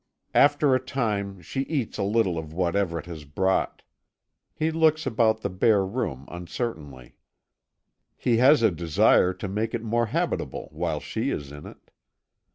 After a time she eats a little of what Everet has brought. He looks about the bare room uncertainly. He has a desire to make it more habitable while she is in it.